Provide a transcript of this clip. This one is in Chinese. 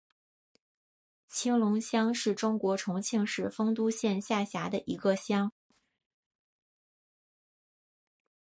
青龙乡是中国重庆市丰都县下辖的一个乡。